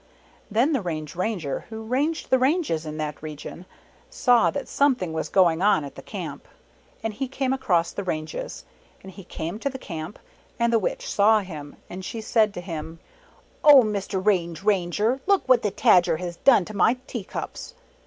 Then the Range Ranger who ranged the ranges in that region, saw that something was going on at the Camp, and he came across the ranges. And he came to the Camp, and the Witch saw him, and she said to him, "Oh, Mr. Range Ranger, look what the Tajer has done to my tea cups